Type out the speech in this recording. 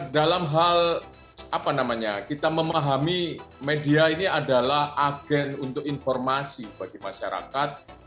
dalam hal apa namanya kita memahami media ini adalah agen untuk informasi bagi masyarakat